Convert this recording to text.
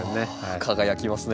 輝きますね。